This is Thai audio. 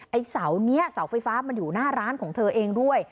ไอ้เสานี้เสาไฟฟ้ามันอยู่หน้าร้านของเธอเองด้วย